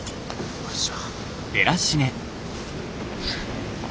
よいしょ。